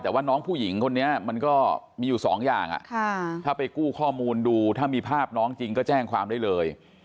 แต่ว่าน้องผู้หญิงคนนี้มันก็มีอยู่สองอย่างถ้าไปกู้ข้อมูลดูถ้ามีภาพน้องจริงก็แจ้งความได้เลย